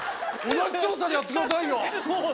同じ強さでやってくださいよ。